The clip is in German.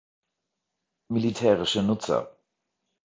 Militärische Nutzer